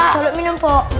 jaluk minum pok